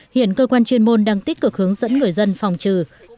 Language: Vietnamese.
hiện cơ quan chuyên môn đang tích cực hướng dẫn người dân phòng trừ